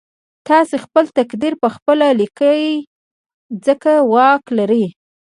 تاسې خپل تقدير پخپله ليکئ ځکه واک لرئ.